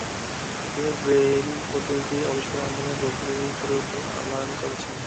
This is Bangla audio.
তিনি ব্রেইল পদ্ধতি আবিষ্কারের মাধ্যমে বৈপ্লবিক পরিবর্তন আনয়ণ করেছেন।